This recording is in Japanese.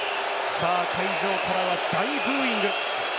会場からは大ブーイング。